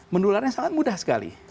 mendularnya sangat mudah sekali